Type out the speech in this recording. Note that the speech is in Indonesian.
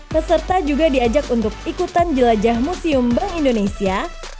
peserta juga diajak untuk ikutan jelajah museum bank indonesia